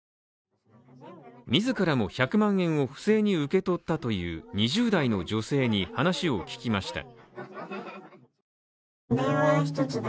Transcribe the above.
自らも１００万円を不正に受け取ったという２０代の女性に話を聞きました。